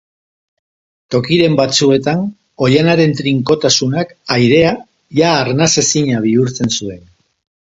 Tokiren batzuetan, oihanaren trinkotasunak, airea, ia arnasezina bihurtzen zuen.